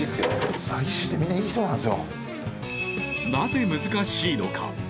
なぜ難しいのか。